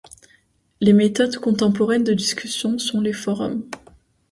Les méthodes contemporaines de discussion sont les forums.